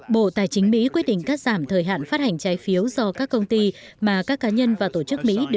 bộ tài chính mỹ quyết định cắt giảm thời hạn phát hành trái phiếu do các công ty mà các cá nhân và tổ chức tài chính mỹ đã đánh dấu